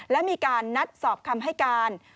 และมีการนัดสอบคำให้การ